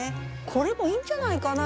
これもいいんじゃないかな？